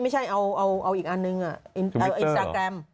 ไม่ใช่เอาอีกอันนึงเอาอินสตาแกรม